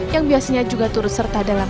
yang biasanya juga turut serta dalam